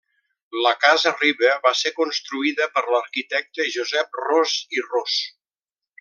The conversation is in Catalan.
La Casa Riba va ser construïda per l'arquitecte Josep Ros i Ros.